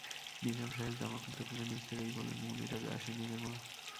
নিজাম সাহেব জামা খুলতে-খুলতে নিজ থেকেই বললেন, মুনির আজ আসেনিরে মা!